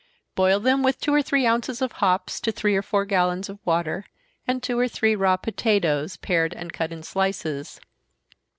Boil them with two or three ounces of hops to three or four gallons of water, and two or three raw potatoes, pared and cut in slices.